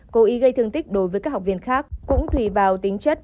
cố ý gây thương tích đối với các học viên khác cũng tùy vào tính chất